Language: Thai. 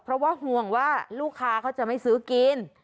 เพราะว่าห่วงว่าลูกค้าเขาจะไม่ซื้อกิน